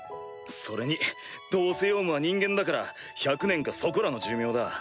それにどうせヨウムは人間だから１００年かそこらの寿命だ。